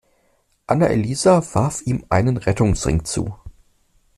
Anna-Elisa warf ihm einen Rettungsring zu.